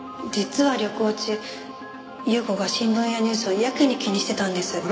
実は旅行中優子が新聞やニュースをやけに気にしてたんです。